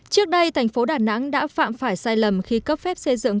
trước đây thành phố đà nẵng đã phạm phải sai lầm khi cấp phép xây dựng